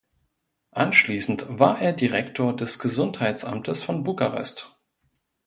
Anschließend war er Direktor des Gesundheitsamtes von Bukarest.